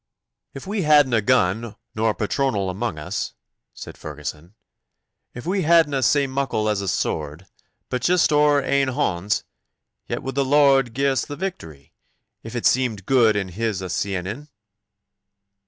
'If we hadna a gun nor a patronal among us,' said Ferguson, 'if we hadna sae muckle as a sword, but just oor ain honds, yet would the Lard gie us the victory, if it seemed good in His a' seeing een.